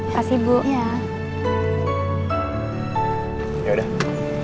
terima kasih bu